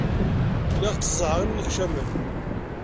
Lliɣ tteẓẓɛeɣ imennekcamen.